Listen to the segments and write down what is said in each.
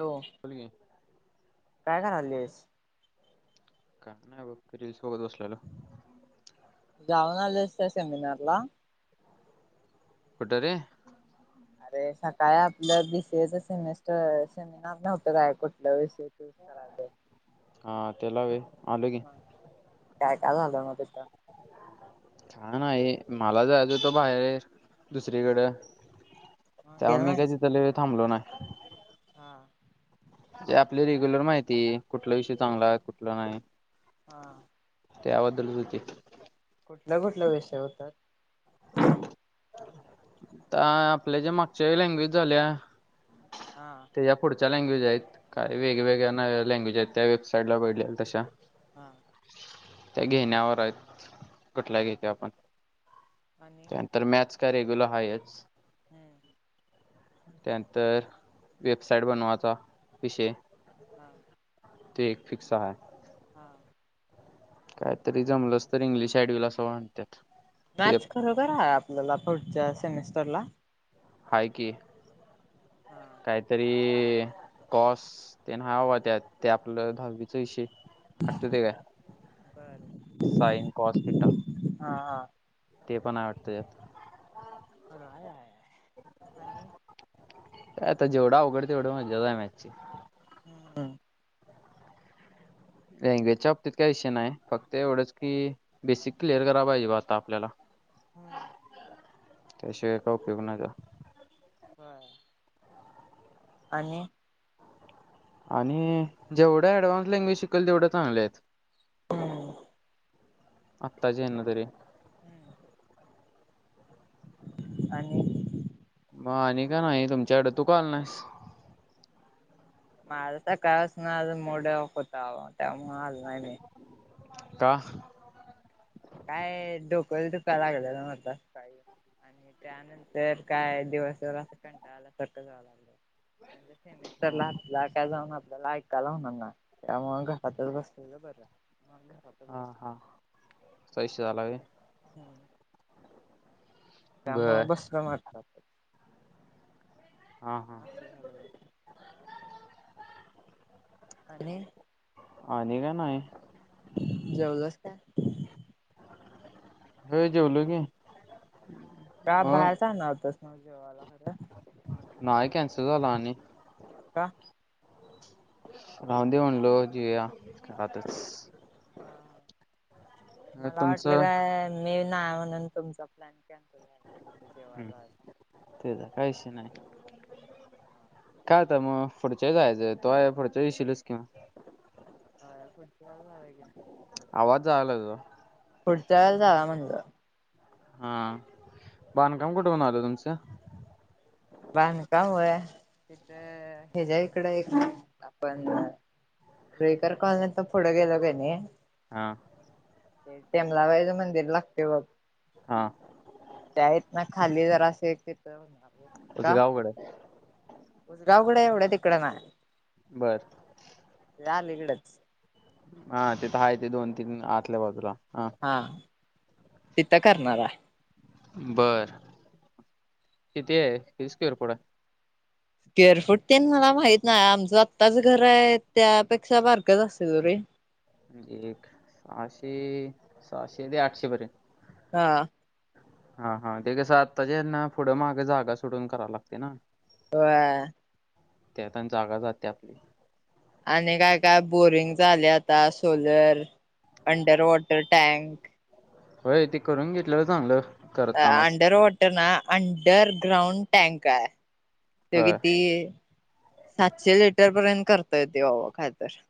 Hello, बोल की काय काय करालीस? का नाही बघ, रीलस बघत बसलेलो. जाऊन आलेस त्या सेमिनार ला. कुठं रे? अरे सकाळी आपलं बी सी ए च सेमीस्टर सेमिनार नव्हतं काय, कुठल्या विष हा त्याला व्हय, आलो कि. मग काय काय झालं मग तिथं? छान आहे. मला जायचं होतं बाहेर दुसरीकडं. मग तेव्हा गेला मी काय नाहीस? तिथं लई वेळ थांबलो नाही. हा. ते आपली रेग्युलर माहिती कुठल विषय चांगलाय, कुठला नाही. हा. त्याबद्दल हुतीत. कुठला कुठला विषय होता? आता आपल्या ज्या मागच्या लँग्वेज झाल्या हा त्याच्या पुढच्या लँग्वेज आहेत. काय हा वेगवेेगळ्या लँग्वेज आहेत त्या वेबसाईटला बघलेल्या तशा. हा. त्या घेण्यावर हायत, कुटला घेतोय आपण. आणि नंतर मॅच का रेगुल हायच हम्म त्यानंतर वेबसाइट बनवायचा विषय हा ते एक फिक्स आहे हा कायतरी जमलंस तर इंग्लिश एँड होईल असं म्हणत्यात मॅथस खरोखर आहे आपल्याला फुढच्या सेमेस्टरला हाय की हा काहीतरी कॉस तेन हाय बाबा त्यात ते आपलं दहावीचा विषय आठवतय काय बर. साइन काँस थिटा हा हा. पन हाय वाटते यात अ हाय आहे आणि आता जेवढा अवघड तेवढं मजा हाय मॅचची हम् ह लँग्वेजच्या बाबतीत काही विषय नाही फक्त एवढंच की बेसिक क्लिअर करा पाहिजे बा आता आपल्याला हम्म त्याशिवाय का उपयोग नाय त्याचा हा आणि आणि जेवढा ऍडव्हान्स लँग्वेज शिकेल तेवढं चांगलं आहेत हम्म आत्ताचे यांना तरी हम्म. आणि मग आणि काय नाही तुमच्याकड तू का आल नाहीस माझ तर काळच ना आज मोड आँफ होता बाबा त्यामुळे आलो नाही म का? काय डोक दुकच दुखाय लागलेला म्हणतान काही आणि त्यानंतर काय दिवसावर असं कंटाळाला कट्ट जावं लागलं म्ह का तररला काय जाऊन आप [unintelligible] त्याला ऐकायला होणार ना त्यामुळ घरातच बसलेलं बरं म घरातच बसलोय पैसे चालू हाय व्हय त्यामुळे बर बसलं मग घरात हा हा ह स झाज [unintelligible] आणि आणि काय नाही जेवलंस काय हो जेवलो की का बाहेर जाणार होतस न जेवायला खरं नाय कॅन्सल झाल आणि का हॅलो जी [unintelligible] ह मला वाटलं तुमचं काय मी नाही म्हणून तुमचा प्लॅन कँन्सल झाला हम्म जेवायला जायचा तेचा काय विषय नाही काय आता मग पुढच्या वेळी जायचं तू आता पुढच्या वेळी येशीलच कि मग होय पुढच्या वेळी जाऊया आवाज जायलाय तुझा पुढच्या वेळेला जाऊया म्हटल हा बांधकाम कुठे पर्यंत आलं तुमचं बांधकाम व्हय तिथं हच्या इकड एक आपण रुईकर कॉलनीत पुढं गेल का नाही. हा. ते तेंबबाई चं मंदिर लागते बघ हा ते आहेत ना. खाली जरासे तिथ. तुझ अवघड असल. जाउगडया एवढं तिकडे नाही. बर. च्या अली कडच. हा तेथ ह आहे ते दोन, तीन आतल्या बाजूला. हा तिथं करणार आहे. बर किती आहे स्क्यूर फूट स्क्वेअर फूट ते मला माहित नाही आमचं आत्ताच घर आहे त्यापेक्षा बारकच असत रे एक सहाशे, सहाशे ते आठशे पर्यंत. हा. हा हा ते कसं आत्ताच्याना पुढं माग जागा सुटून कराव लागते ना. होय. त्यात आणि जागा जाते. आणि काय काय बोरिंग झाले आता सोलर, अंडरवॉट, टँक. होय ते करून घेतलंलं चांगलं. अ करतानाच अंडर वाॉटर ना अंडर ग्राउंड टँक आहे. ते होय किती सातशे लिटर पर्यंत करतय ते होवा खालतर-'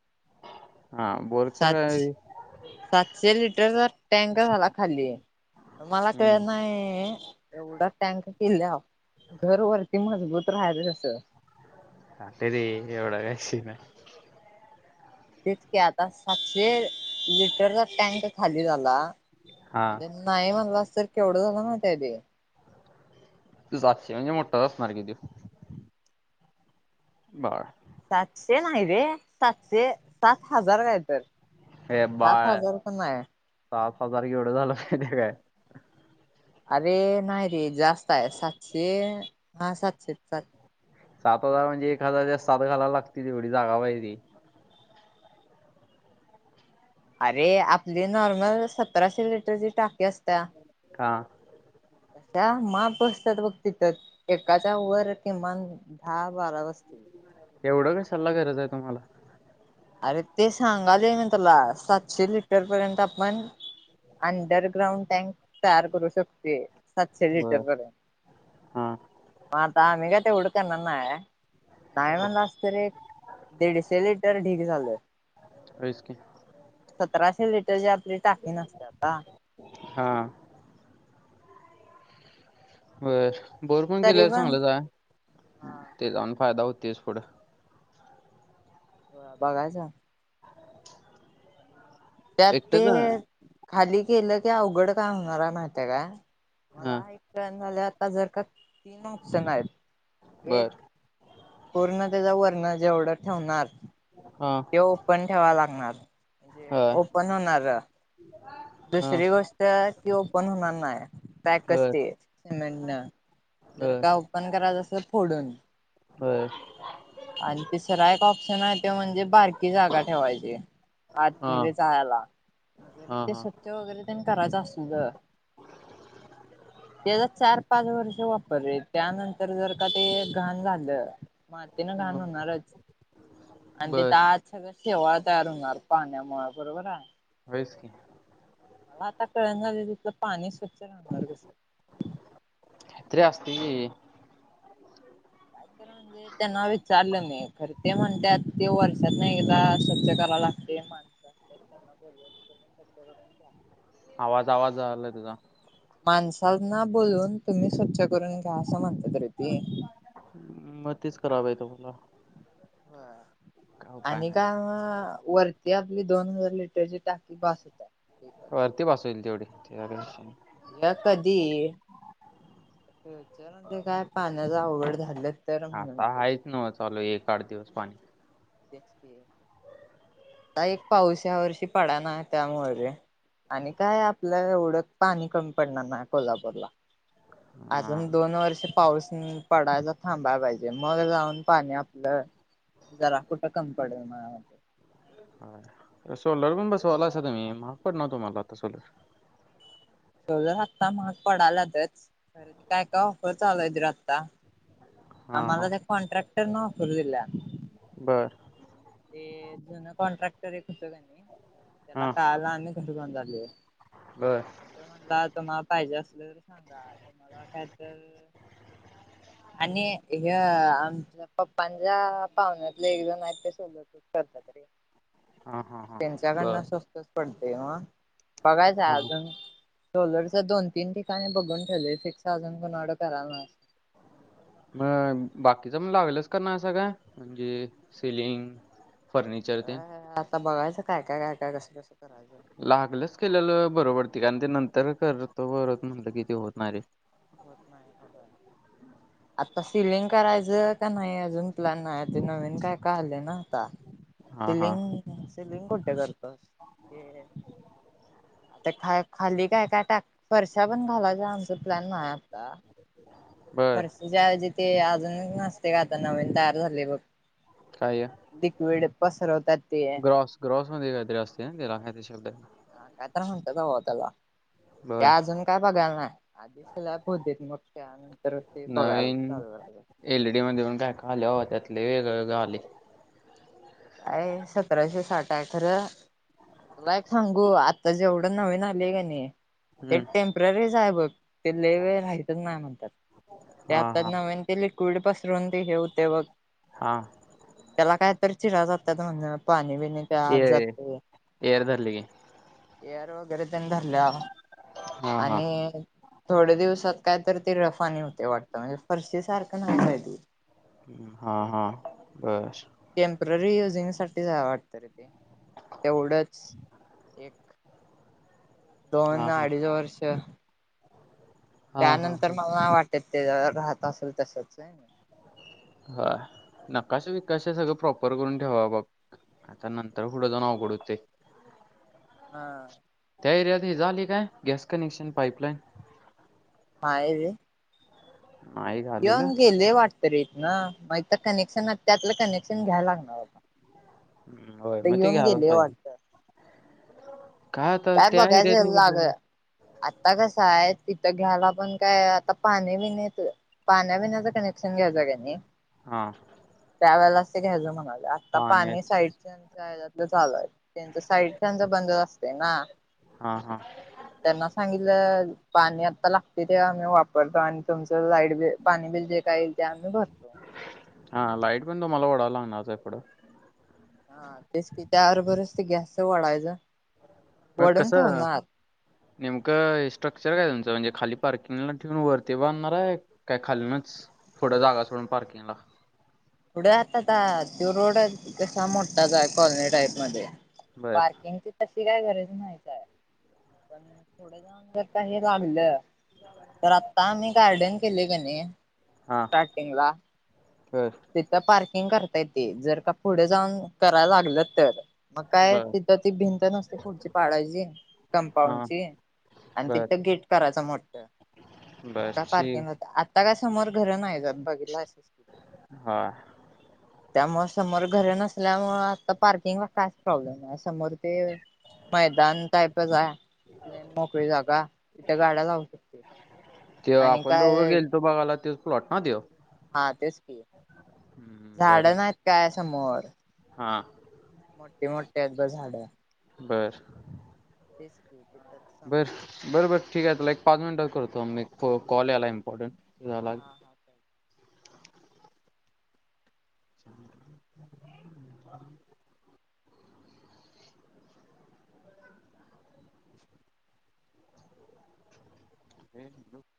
हा बोरचा काय? सातशे लिटरचा टँक झाला खाली. मला हम्म कानाही बस टँका केल्या घर वरती मजबूत. रायच कस. आ ते ते एवढं काय विषय नाही. तेचक आता सातशे लिटरचा टँक खाली झाला. हा म्हण नाही म्हणला तर केवढं झालं ना त्या ते. तू सातशे म्हणजे मोठा असणार की तू. बर. सातशे नाही रे सातशे सात हजार लिटर. हे सात बाळ हजार पण नाय. सात हजार एवढं झालं माहितेय काय? अरे नाही रे जास्त आहे सातशे हा सातशे सात. सात हजार म्हणजे एक हजारच्या सात घालायला लागतील तेवढी जागा पाहिजे. अरे आपली नॉर्मल सतराशे लिटरची टाकी असते. हा. अशा माप बसतात बघ तिथ एकाच्या वर किमान दहा, बारा तेच कि [unintelligible] एवढं का सल्ला गरज आहे तुम्हाला. अरे ते सांगालोय मी तुला सातशे लिटरपर्यंत. पण अंडरग्राउंड टँक तयार करू शकते. सातशे लिटर बर पर्यंत हा म आता आम्ही का तेवड करणार नाय. य म्हनला अस तर एक दीडशे लिटर ढीक झालं. दिडशे. सतराशे लिटर जे आपली टाकी नसतात का. हा बर भरपुुर तरी केलेला पण चांगलंचय हा ते जाऊन फायदा होत. छतीसपर [unintelligible] हो बघायच. त्यात ते एकटंच आहे? खाली केलं की अवघड काय होणार माहित का मला हां. एक प्रळन झाले आता जर का तीन ऑपशन आहेत एक बर. कोर्ण त्याचा वर्ण जेवढं ठेवणार हां. ते ओपन ठेवा लागणार म्हणजे हां. ओपन होणार हां. दुसरी गोष्ट की ओपन होणार नाही पॅक बर. कसते सिमेंट न जर बर. का ओपन करायचं असेल डून बर. आणि तिसरा एक ऑप्शन आहे ते म्हणजे बारकी जागा ठेवायची हां. आतमध्ये जायला जरी हां, ते हां. स्वच्छ वगैरे कराच असू त्याचा चार पाच वर्ष वापरले त्यानंतर जर का ते घाण झालं मातीन घाण हां. होणारच आणि ते बर. अच्छा ठेवळ तयार होणार पाण्यामुळे बरोबर आहे वैसकी मला आता कळन झालं तिथलं पाणी स्वच्छ राहणार कस ते असत काय म्हणजे त्यांना विचारलं नाही खर ते म्हणतात ते व त नाही स्वच्छ करायलाते माणस त्यांना बोलुम्ही स्वछ करून घ्या आवाज आवाज झालाय तुझा माणसाल ना बोलून तुम्ही स्वच्छ करून घ्या असं म्हणता त य ते करावे तमला ह आणि का वरती आपली दोन हजार लिटरची टाकी भास होत आहे वरती बस होईल तेवढी या कधी फ्युचरमध्येध्ये काय पाण्याचा आवड झालं तर म्हणून हाता एक आहेच न चालू एक आठ दिवस पाणी आता एक पाऊस या वर्षी पडा ना त्यामुळे आणि काय आपलं एवढं पाणी कमी पडणार नाही कोल्हापूरला अजून हां. दोन वर्ष पाऊस पडायला थांबायला पाहिजे मग जाऊन पाणी आपलं जरा कटक्कम पडे म सोलर पण बसवाला त मही महाग पड ना तुम्हाला आता सोलर हम् शवलं आत्ता महाग पडालातच खर काय काय फर चालूयत आत्ता हां, आम्हाला हां. ते कॉन्ट्रॅक्टरने ऑफर दिला बर ते जुन कॉन्ट्रॅक्टर एक होतं का नाही त्याला हां. काला आ्ही कस जान झाल आहे बर. ते म्हणला तर मा पाहिजे असलं तरी सांगा मला काय तर आणि ह आमच्या पप्पांच्या पाहुण्याततले एक जण आहेत त हा हा हा त्यांच्याकडन बर असवत पडते मग बघायचं हा हा अजून सोलर दोन तीन ठिकाणी बघून ठेवले सिक्स थाउजंड कोून ऑड करायल मग बाकीच मण लागलच करणार सगळ म्हणजे सेलिंग फर्निचर ते अ आता बघायचं काय काय काय कसंसं लागलच केलेलं बरोबरती कारण ते नंतर करतो बरोत म्हणलं किती होत नाहीे होत आ सिलिंग करायचं का नाही अजून प्लॅन नाही ते नवीन काय काले ना आता हा हा सिलिंग सिलिंग कुठे करतोस ते आता ख खाली काय काय टाक फर्षा पण घालायच आमचा प्लॅन नाही आता. बर फर्षीच्या ऐवजी ते अजून नसते का आता नवीन तयार झाले बघ. काय लिक्विड पसरवतात. ते ग्रॉस ग्रॉसमध्ये काहीतरी असते ना त्याला ह ते शब्द. हा काय तर म्हणतात बाबा त्याला. ते बर अजून काय बघायला नाही आधी सल्याप होऊदेत मग त्या नंतर ते बघायला चाल करायचं हाय. जेवण काय खाल्यावर त्यातले वेग वगं आले. काय सतराशे साठ हाय खरं. तुला एक सांगू आत्ता जेवढं नवीन आलेय का नाही. ते हम्म टेम्परीच आहे बघ ते लई वेळ राहतच नाही म्हणतात. ते हा आताच हा नविन ते लि क्वीड पसरून ते हे हुते बघ हा त्याला काय तर चिराजा तात म्हण पाणी बीणी त्या आत एअर जात ह एअर धरले की एअर वगैरे धरल्या हा हा आणि थोड्या दिवसात काय तर ते रफानी होते वाटत म्हणजे फर्षी सारखं नाही काय ते. हा हा बरं. टेम्पररी युजिंग साठीच वाटत रे ते. तेवढंच एक दोन हा हा अडीच वर्ष हा हा त्यानंतर हा मला वाटत ते राहत असेल तसच होय नी. होय नकाश विकश सगळं प्रॉपर करून ठेवा बग. आता नंतर पुढं जाऊन आवगड होते. हा त्या एरियात हेज आलय काय गॅस कनेक्शन पाइपलाइन? नाही रे. नाही झालेलं येऊन गेले वाट तरी हितन नाही तर कनेक्शन त्यातलं कनेक्शन घ्यायला लागणार आता. होय तर मग ते येऊन घ्यावं गेले पाहिजे कि. वाटत काय एरियात बगायचं नाही लाग गेले आता कस आहे तिथं घ्यायला पण काय आता पाणी बिनी येत पाण्या बिण्याच कनेक्शन घ्यायचं कणी हा. त्यावेळेला अस घ्यायच म्हणाले आता पाणी पाण्याच साईडच्यांच्या हेज्यात चालू हाय त्यांच साईड त्यांच बंदर असते ना. हा हा त्यांना सांगितलं पाणी आता लागते ते आम्ही वापरतो आणि तुमचं लाईट बिल पाणी बिल जे काय येईल ते आम्ही भरतो अस हा सांगतो. लाईट पण तुम्हाला वडायला लागणारचं हाय पुडं. हा तेच कि त्याबरोबरच ते गॅसच वढायच. मग कस नेमकं हे स्ट्रक्चर काय तुमचं म्हणजे खाली पार्किंगला ठेवून वरती बांधणार आहे काय खालीनच थोड जागा सोडून पार्किंगला. पुढे आता त्यो रोड आहे कसा मोठाचय कॉलनी टाईप मध्ये. बर पार्किंगची त शी काय गरज नाहीचाय पण थोड जाऊन जर का हे लागलं. तर आता आम्ही गार्डन केले कणी हा स्टार्टिंग ला. बर तिथं पार्किंग करता येते जर का पुढे जाऊन करायला लागलं तर. मग काय बर तिथं ती भिंत नसते पुढची पाडायची हा कंपाऊंडची. आणि बर तिथं गेट करायचं मोठ मग बर का ठीक पार्किंग होत आ त्या का समोर घर नाही जात बघितलासच कि तु. हा त्यामुळे समोर घर नसल्यामुळे आता पार्किंगला कायच प्रॉब्लेम नाही समोर ते मैदान टाईपच आहे. मोकळी जागा तिथे गाड्या लावू शकते ते आणि आपण दोघं काय गेल तो बघाला ते प्लॉट ना ते हा तेच क झाड बरं नाहीत काय समोर हां मोठे मोठे अ ब झाड बरं तेच कि बर बर बरं ठीक आहे त्याला एक पाच मिनिटच करतो आम्ही कॉल याला इम्पॉर्टनट झाला हा हा [unintelligible] [unintelligible] हे